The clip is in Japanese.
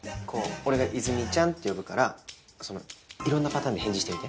俺が「和泉ちゃん」って呼ぶからいろんなパターンで返事してみて。